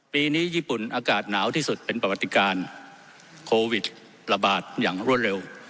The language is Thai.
ปีนี้ญี่ปุ่นอากาศหนาวที่สุดเป็นประวัติการโควิดระบาดอย่างรวดเร็ว